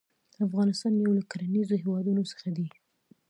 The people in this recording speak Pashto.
افغانستان يو له کرنيزو هيوادونو څخه دى.